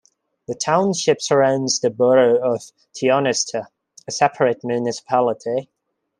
The township surrounds the borough of Tionesta, a separate municipality.